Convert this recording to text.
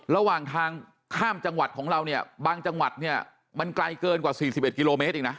ระหว่างทางข้ามจังหวัดของเราเนี่ยบางจังหวัดเนี่ยมันไกลเกินกว่า๔๑กิโลเมตรเองนะ